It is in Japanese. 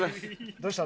どうしたの？